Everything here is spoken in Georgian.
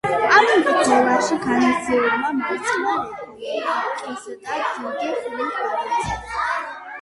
ამ ბრძოლაში განცდილმა მარცხმა რეკონკისტა დიდი ხნით გადაწია.